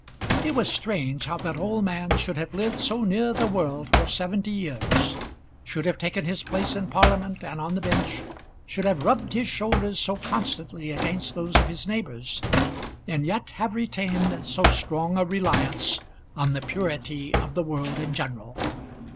It was strange how that old man should have lived so near the world for seventy years, should have taken his place in Parliament and on the bench, should have rubbed his shoulders so constantly against those of his neighbours, and yet have retained so strong a reliance on the purity of the world in general.